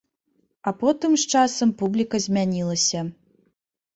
А потым з часам публіка змянілася.